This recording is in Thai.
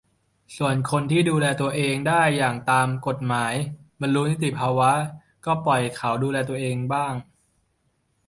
ส่วนคนที่ดูแลตัวเองได้เองตามกฎหมาย บรรลุนิติภาวะ ก็ปล่อยเขาดูแลตัวเองบ้าง